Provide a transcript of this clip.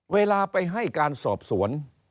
เวลาไปให้การสอบสวน